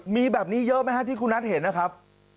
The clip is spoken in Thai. มีแบบนี้เยอะไหมฮะที่คุณนัทเห็นนะครับ